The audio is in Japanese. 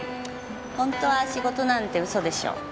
ホントは仕事なんて嘘でしょう。